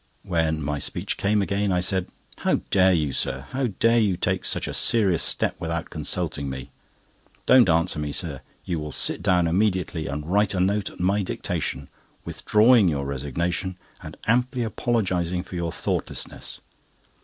When my speech came again, I said: "How dare you, sir? How dare you take such a serious step without consulting me? Don't answer me, sir!—you will sit down immediately, and write a note at my dictation, withdrawing your resignation and amply apologising for your thoughtlessness."